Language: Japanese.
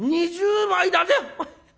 ２０枚だぜ！